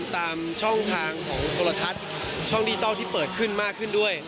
ตามช่องทางของโทรทัศน์ช่องดิจิทัลที่เปิดขึ้นมากขึ้นด้วย